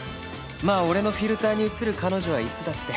まあ俺のフィルターに映る彼女はいつだって